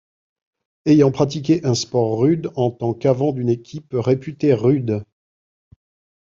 Ayant pratiqué un sport rude en tant qu'avant d'une équipe réputée rude.